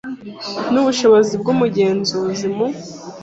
n ubushobozi bw umugenzuzi mu